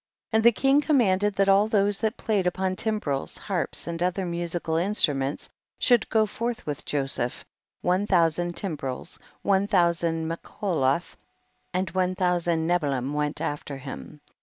25. And the king commanded that all those that played upon timbrels, harps and other musical instruments should go forth with Joseph ; one thousand timbrels, one thousand Me choloth, and one thousand Nebalim went after him.